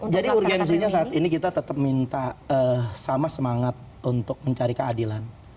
jadi urgensinya saat ini kita tetap minta sama semangat untuk mencari keadilan